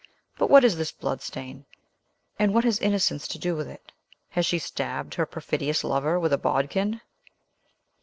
But what is this blood stain? And what has innocence to do with it? Has she stabbed her perfidious lover with a bodkin?"